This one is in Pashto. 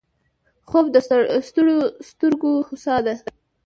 خوب د ستړیو سترګو هوسا ده